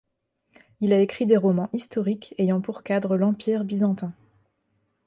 Il a écrit des romans historiques ayant pour cadre l'Empire byzantin.